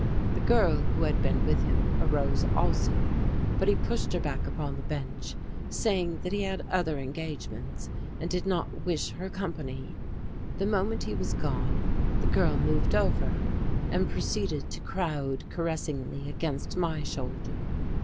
The girl who had been with him arose also, but he pushed her back upon the bench, saying that he had other engagements, and did not wish her company. The moment he was gone the girl moved over and proceeded to crowd caressingly against my shoulder.